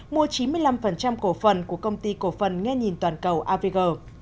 mua chín mươi năm cổ phần của công ty cổ phần nghe nhìn toàn cầu avg